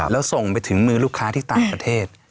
แล้วส่งไปถึงมือลูกค้าที่ต่างประเทศ